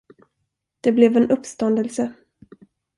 Det blev en uppståndelse.